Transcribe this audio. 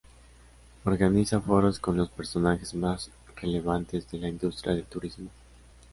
Organiza foros con los personajes más relevantes de la industria del Turismo.